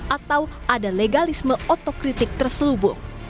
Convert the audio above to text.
atau ada legalisme otokritik terselubung